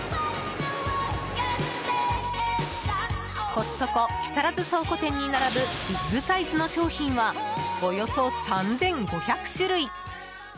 コストコ木更津倉庫店に並ぶビッグサイズの商品はおよそ３５００種類。